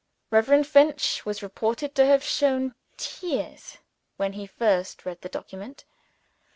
Reverend Finch was reported to have shed tears when he first read the document.